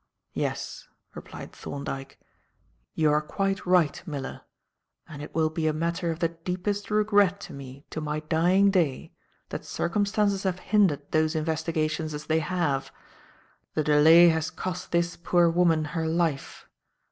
"Yes," replied Thorndyke, "you are quite right, Miller, and it will be a matter of the deepest regret to me to my dying day that circumstances have hindered those investigations as they have. The delay has cost this poor woman her life.